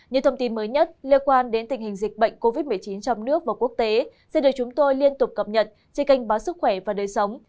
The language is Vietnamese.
những thông tin mới nhất liên quan đến tình hình dịch bệnh covid một mươi chín trong nước và quốc tế sẽ được chúng tôi liên tục cập nhật trên kênh báo sức khỏe và đời sống